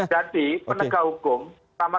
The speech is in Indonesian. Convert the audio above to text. jadi penegak hukum sama